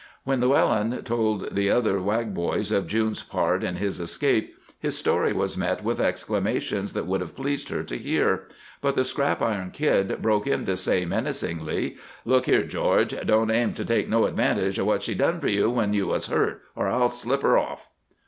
When Llewellyn told the other Wag boys of June's part in his escape his story was met with exclamations that would have pleased her to hear, but the Scrap Iron Kid broke in to say, menacingly: "Look here, George, don't aim to take no advantage of what she done for you when you was hurt, or I'll tip her off!"